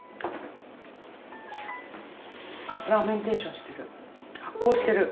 ファーメンテーションしてる。